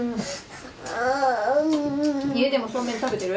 家でもそうめん食べてる？